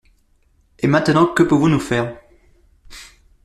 Et maintenant, que pouvons-nous faire?